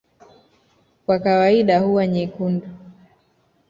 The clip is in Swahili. kwa kawaida huwa nyekundu